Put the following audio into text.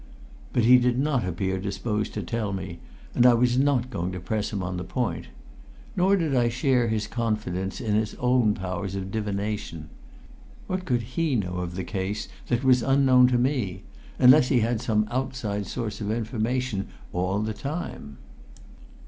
But he did not appear disposed to tell me, and I was not going to press him on the point. Nor did I share his confidence in his own powers of divination. What could he know of the case, that was unknown to me unless he had some outside source of information all the time?